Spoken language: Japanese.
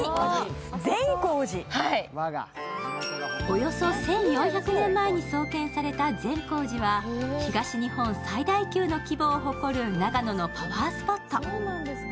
およそ１４００年前に創建された善光寺は、東日本最大級の規模を誇る長野のパワースポット。